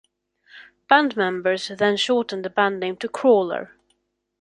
Band members then shortened the band name to Crawler.